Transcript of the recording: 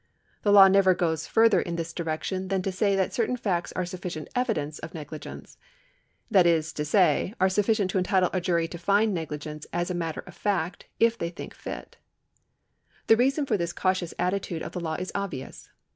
The law never goes further in this direction than to say that certain facts are sufficient evidence of negli gence, that is to say, are sufficient to entitle the jury to find negligence as a matter of fact if they think fit. The reason for this cautious attitude of the law is obvious.